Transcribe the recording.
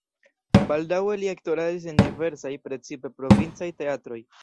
Baldaŭe li aktoradis en diversaj, precipe provincaj teatroj.